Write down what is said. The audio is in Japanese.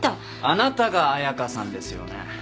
あなたが彩佳さんですよね？